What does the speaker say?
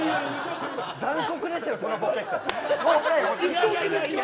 残酷ですよ、そのボケ。